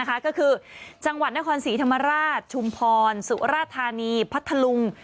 ก็คือจังหวัดนครศรีธรรมราชชุมพรสุราธานีพัทธลุง